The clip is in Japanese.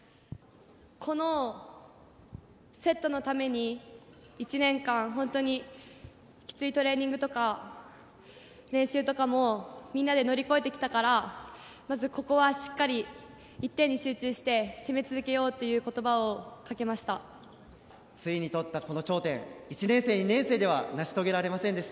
このセットのために１年間、本当にきついトレーニングとか練習とかもみんなで乗り越えてきたからまずここはしっかり一点に集中して攻め続けようという言葉をついに取ったこの頂点１年生、２年生では成し遂げられませんでした。